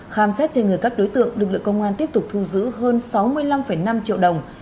khám xét trên người các đối tượng lực lượng công an tiếp tục thu giữ hơn sáu mươi năm năm triệu đồng